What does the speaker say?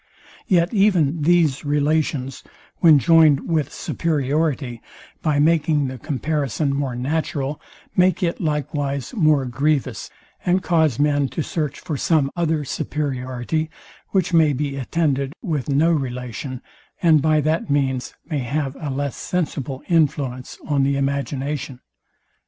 Yet even these relations, when joined with superiority, by making the comparison more natural, make it likewise more grievous, and cause men to search for some other superiority, which may be attended with no relation, and by that means may have a less sensible influence on the imagination.